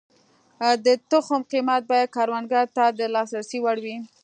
د تخم قیمت باید کروندګر ته د لاسرسي وړ وي.